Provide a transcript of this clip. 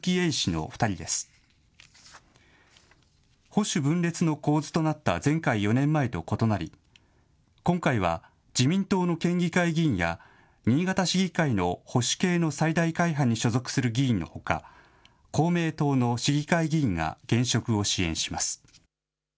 保守分裂の構図となった前回４年前と異なり今回は自民党の県議会議員や新潟市議会の保守系の最大会派に所属する議員のほか公明党の市議会議員が現職を支援します。